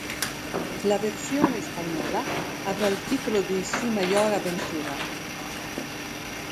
La versione spagnola avrà il titolo di Su mayor aventura.